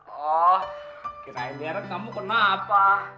oh kirain deren kamu kenapa